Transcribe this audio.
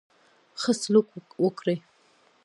ښه سلوک وکړي.